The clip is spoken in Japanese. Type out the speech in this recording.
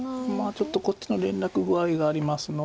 ちょっとこっちの連絡具合がありますので。